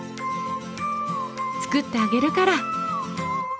作ってあげるから。